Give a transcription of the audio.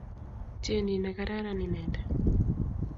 Tyenin nekararan inendet.